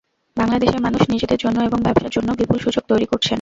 বাংলাদেশের মানুষ নিজেদের জন্য এবং ব্যবসার জন্য বিপুল সুযোগ তৈরি করছেন।